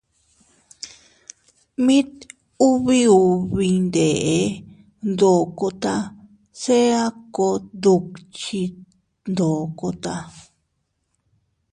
Mit ubi ubi iyndeʼe ndokota se a kot dukchit ndokota.